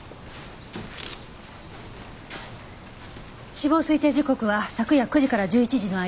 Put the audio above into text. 死亡推定時刻は昨夜９時から１１時の間。